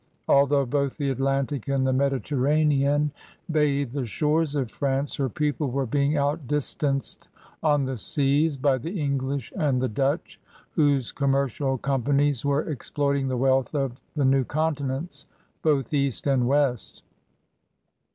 Although both the Atlantic and the Mediterranean bathed the shores of France, her people were being outdistanced on the seas by the English and the Dutch, whose com mercial companies were exploiting the wealth of the new continents both east and west.